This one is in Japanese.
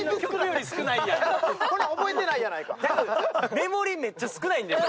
メモリー、めっちゃ少ないんですよ。